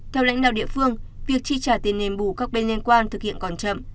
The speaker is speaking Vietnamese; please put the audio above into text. theo lãnh đạo địa phương việc chi trả tiền nền bù các bên liên quan thực hiện còn chậm